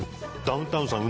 ダウンタウンさん